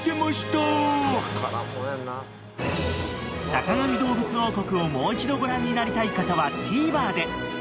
［『坂上どうぶつ王国』をもう一度ご覧になりたい方はＴＶｅｒで］